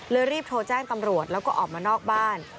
รีบโทรแจ้งตำรวจแล้วก็ออกมานอกบ้าน